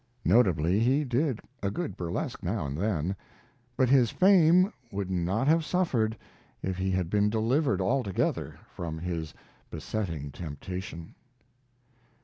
Notably he did a good burlesque now and then, but his fame would not have suffered if he had been delivered altogether from his besetting temptation.